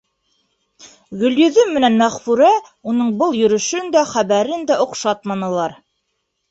Гөлйөҙөм менән Мәғфүрә уның был йөрөшөн дә, хәбәрен дә оҡшатманылар.